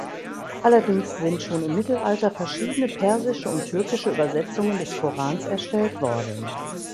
Allerdings sind schon im Mittelalter verschiedene persische und türkische Übersetzungen des Korans erstellt worden.